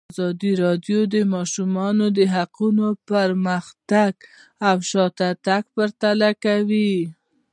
ازادي راډیو د د ماشومانو حقونه پرمختګ او شاتګ پرتله کړی.